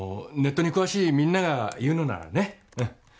ネットに詳しいみんなが言うのならね。